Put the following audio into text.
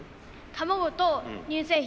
卵と乳製品。